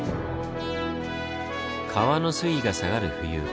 川の水位が下がる冬。